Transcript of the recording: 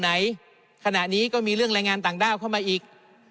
ไหนขณะนี้ก็มีเรื่องแรงงานต่างด้าวเข้ามาอีก